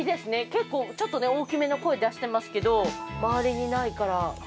結構、ちょっと大きめの声出してますけど、周りにいないから。